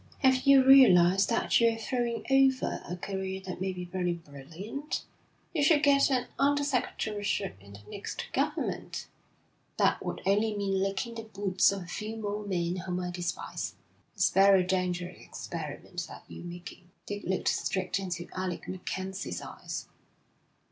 'Have you realised that you are throwing over a career that may be very brilliant? You should get an under secretaryship in the next government.' 'That would only mean licking the boots of a few more men whom I despise.' 'It's a very dangerous experiment that you're making.' Dick looked straight into Alec MacKenzie's eyes.